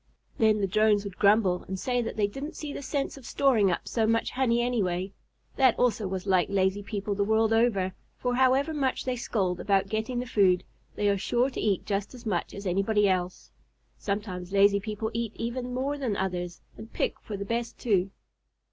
Then the Drones would grumble and say that they didn't see the sense of storing up so much honey anyway. That also was like lazy people the world over, for however much they scold about getting the food, they are sure to eat just as much as anybody else. Sometimes lazy people eat even more than others, and pick for the best too.